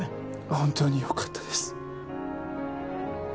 本当によかったです。